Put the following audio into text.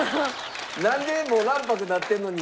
なんでもう卵白になってるのに。